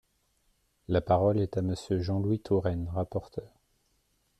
La parole est à Monsieur Jean-Louis Touraine, rapporteur.